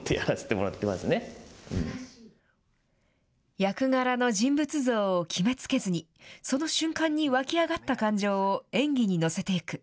役柄の人物像を決めつけずに、その瞬間に湧き上がった感情を演技に乗せていく。